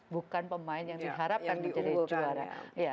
bukan pemain yang diharapkan menjadi juara